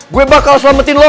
gue bakal selamatin lo